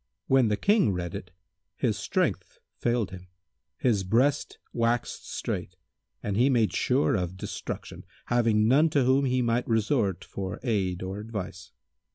When the King read it, his strength failed him, his breast waxed strait and he made sure of destruction, having none to whom he might resort for aid or advice.